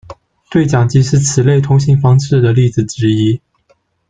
对讲机是此类通信方式的例子之一。